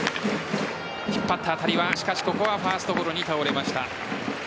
引っ張った当たりはここはファーストゴロに倒れました。